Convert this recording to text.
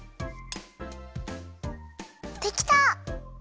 できた！